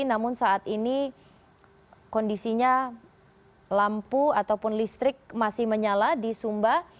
namun saat ini kondisinya lampu ataupun listrik masih menyala di sumba